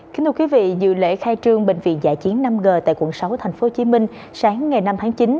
kính thưa quý vị dự lễ khai trương bệnh viện giã chiến năm g tại quận sáu tp hcm sáng ngày năm tháng chín